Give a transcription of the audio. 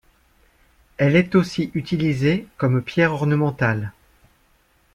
Elle est aussi utilisée comme pierre ornementale.